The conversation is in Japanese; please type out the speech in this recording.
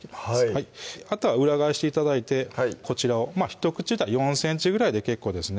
はいあとは裏返して頂いてこちらをひと口大４ｃｍぐらいで結構ですね